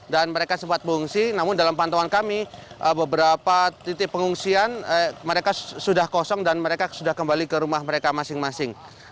dan mereka sempat mengungsi namun dalam pantauan kami beberapa titik pengungsian mereka sudah kosong dan mereka sudah kembali ke rumah mereka masing masing